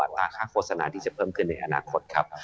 ราคาค่าโฆษณาที่จะเพิ่มขึ้นในอนาคตครับ